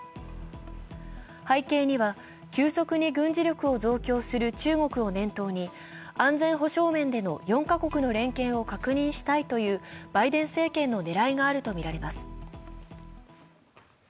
背景には急速に軍事力を増強する中国を念頭に安全保障面での４カ国での連携を確認したいというバイデン政権の狙いがあるとみられます。